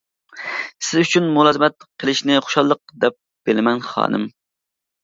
-سىز ئۈچۈن مۇلازىمەت قىلىشنى خۇشاللىق دەپ بىلىمەن خانىم.